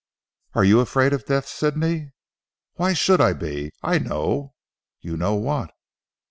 "Are you afraid of death Sidney?" "Why should I be? I know." "You know what?"